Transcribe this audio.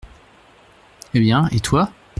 Eh bien, et toi ?